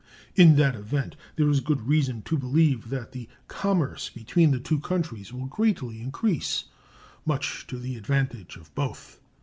In that event, there is good reason to believe that the commerce between the two countries will greatly increase, much to the advantage of both.